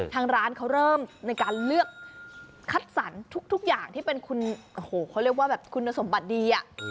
ทางร้านเขาเริ่มในการเลือกคัดสรรทุกอย่างที่เป็นคุณสมบัติดี